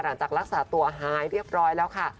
หลังจากรักษาตัวหายเรียบร้อยแล้วค่ะ